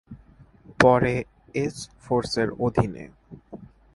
পরে ‘এস’ ফোর্সের অধীনে।